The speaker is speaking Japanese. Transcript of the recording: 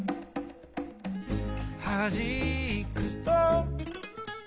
「はじくと」